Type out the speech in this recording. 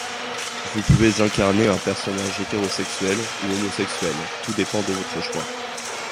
Vous pouvez incarner un personnage hétérosexuel ou homosexuel, tout dépend de votre choix.